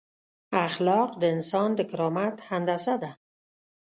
اخلاق د انسان د کرامت هندسه ده.